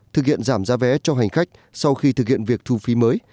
thực hiện giảm giá vé cho hành khách sau khi thực hiện việc thu phí mới